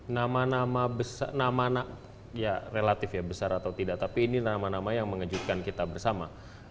nama nama besar nama anak ya relatif ya besar atau tidak tapi ini nama nama yang mengejutkan kita bersama